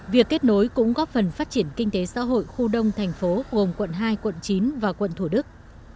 việc kết nối cũng góp phần phát triển kinh tế xã hội khu đông thành phố gồm quận hai quận chín và quận thủ đức